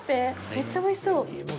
めっちゃおいしそう！